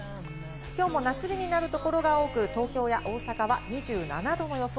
今日も夏日になる所が多く、東京や大阪は２７度の予想。